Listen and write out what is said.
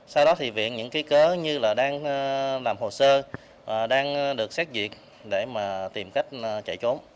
sau đó thì viện những ký cớ như là đang làm hồ sơ đang được xét duyệt để mà tìm cách chạy trốn